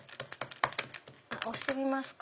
押してみますか。